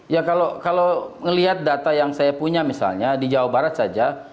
ya kalau melihat data yang saya punya misalnya di jawa barat saja